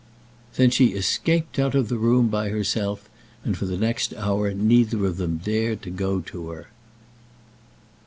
Then she escaped out of the room by herself, and for the next hour neither of them dared to go to her.